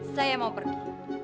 saya mau pergi